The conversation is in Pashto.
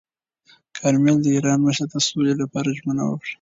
کارمل د ایران مشر ته د سولې لپاره ژمنه وکړه.